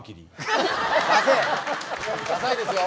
ダサいですよ。